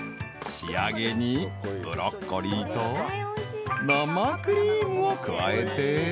［仕上げにブロッコリーと生クリームを加えて］